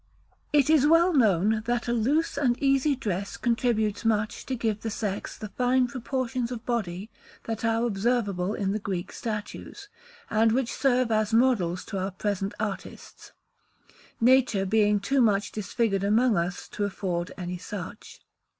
It is well known that a loose and easy dress contributes much to give the sex the fine proportions of body that are observable in the Grecian statues, and which serve as models to our present artists, nature being too much disfigured among us to afford any such.